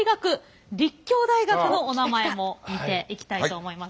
立教大学のおなまえも見ていきたいと思います。